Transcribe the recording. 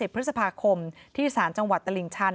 พฤษภาคมที่สารจังหวัดตลิ่งชัน